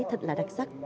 thật là đặc sắc